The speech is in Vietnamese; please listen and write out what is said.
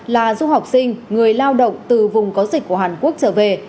là du học sinh người lao động từ vùng có dịch của hàn quốc trở về